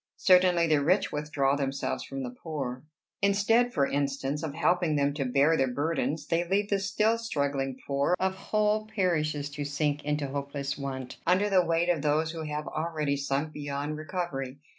Certainly the rich withdraw themselves from the poor. Instead, for instance, of helping them to bear their burdens, they leave the still struggling poor of whole parishes to sink into hopeless want, under the weight of those who have already sunk beyond recovery.